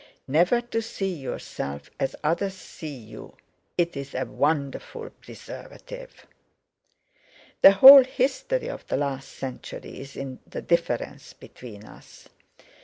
Never to see yourself as others see you, it's a wonderful preservative. The whole history of the last century is in the difference between us.